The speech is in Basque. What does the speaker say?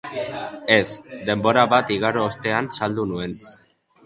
Ez, denbora bat igaro ostean saldu nuen.